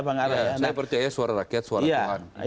saya percaya suara rakyat suara tuhan